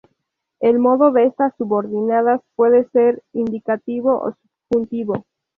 El modo de estas subordinadas puede ser indicativo o subjuntivo.